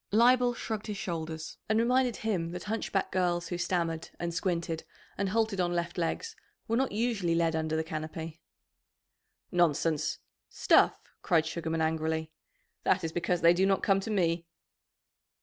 Leibel shrugged his shoulders, and reminded him that hunchbacked girls who stammered and squinted and halted on left legs were not usually led under the canopy. "Nonsense! Stuff!" cried Sugarman angrily. "That is because they do not come to me."